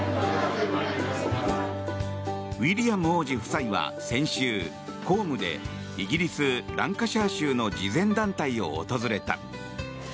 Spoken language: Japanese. ウィリアム王子夫妻は先週、公務でイギリス・ランカシャー州の慈善団体を訪れた。